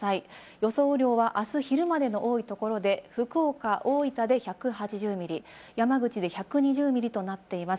予想量はあす昼までの多いところで、福岡、大分で１８０ミリ、山口で１２０ミリとなっています。